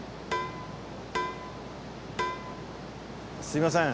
すみません。